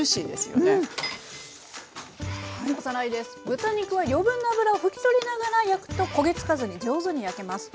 豚肉は余分な脂を拭き取りながら焼くと焦げ付かずに上手に焼けます。